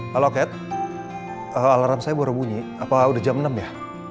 kalau cat alarm saya baru bunyi apa udah jam enam ya